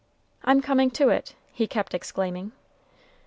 "I'm coming to it," he kept exclaiming.